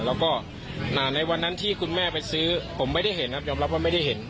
แล้วก็ในวันนั้นที่คุณแม่ไปซื้อผมไม่ได้เห็นครับยอมรับว่าไม่ได้เห็น